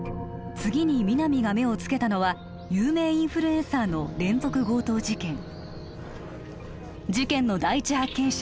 次に皆実が目をつけたのは有名インフルエンサーの連続強盗事件事件の第一発見者